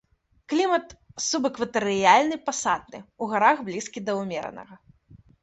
Клімат субэкватарыяльны пасатны, у гарах блізкі да умеранага.